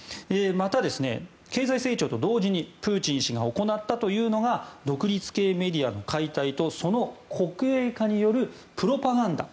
また経済成長と同時にプーチン氏が行ったというのが独立系メディアの解体とその国営化によるプロパガンダ。